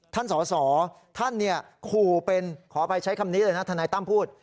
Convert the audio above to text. ท่านสอสอท่านขู่เป็นขออภัยใช้คำนี้เลยนะทนายตั้มพูด